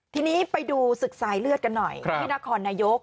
ทีนี้ไปดูศึกสายเลือดกันหน่อยที่นครนายก